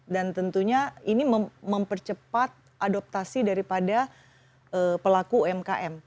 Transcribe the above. dan tentunya ini mempercepat adoptasi daripada pelaku umkm